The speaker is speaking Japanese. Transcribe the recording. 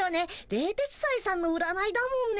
冷徹斎さんの占いだもんね。